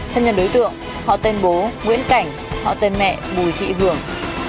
thân nhân đối tượng họ tên bố nguyễn cảnh họ tên mẹ bùi thị hường